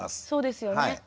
そうですよね。